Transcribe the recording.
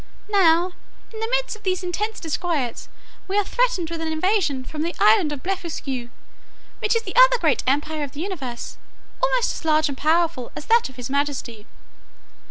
Now, in the midst of these intestine disquiets, we are threatened with an invasion from the island of Blefuscu, which is the other great empire of the universe, almost as large and powerful as this of his majesty.